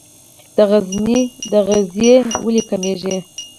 د غزني غزې ولې کمیږي؟